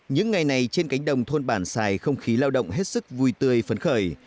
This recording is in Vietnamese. những ngày này trên cánh đồng thôn bản xài không khí lao động hết sức vui tươi phấn khởi